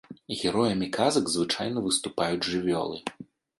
Героямі казак звычайна выступаюць жывёлы.